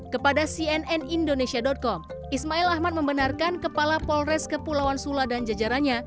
kepada cnn indonesia com ismail ahmad membenarkan kepala polres kepulauan sula dan jajarannya